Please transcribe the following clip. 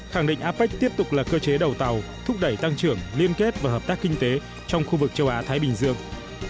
khẳng định apec tiếp tục là cơ chế đầu tàu thúc đẩy tăng trưởng liên kết và hợp tác kinh tế trong khu vực châu á thái bình dương